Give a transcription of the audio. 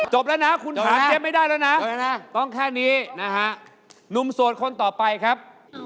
แล้วนะคุณถามเจ๊ไม่ได้แล้วนะต้องแค่นี้นะฮะหนุ่มโสดคนต่อไปครับ